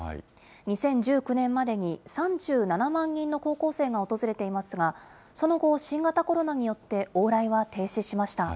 ２０１９年までに３７万人の高校生が訪れていますが、その後、新型コロナによって往来は停止しました。